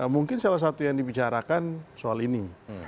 mungkin salah satu yang dibicarakan soal ini